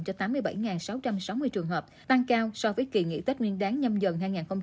cho tám mươi bảy sáu trăm sáu mươi trường hợp tăng cao so với kỳ nghỉ tết nguyên đáng nhâm dần dần hai nghìn hai mươi ba